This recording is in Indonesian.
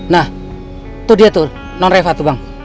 nah itu dia tuh non reva tuh bang